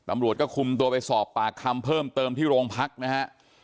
ตำรวจก็คุมตัวไปสอบปากคำเพิ่มเติมที่โรงพักนะฮะ